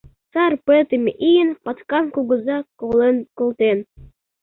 Сар пытыме ийын Паткан кугыза колен колтен.